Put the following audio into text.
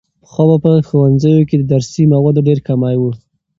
پخوا به په ښوونځیو کې د درسي موادو ډېر کمی و.